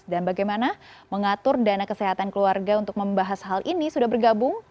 dan bagaimana mengatur dana kesehatan keluarga untuk membahas hal ini sudah bergabung